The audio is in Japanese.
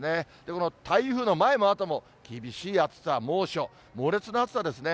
この台風の前もあとも厳しい暑さ、猛暑、猛烈な暑さですね。